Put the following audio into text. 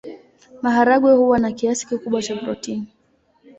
Maharagwe huwa na kiasi kikubwa cha protini.